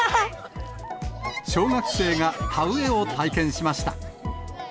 小学生が田植えを体験しました。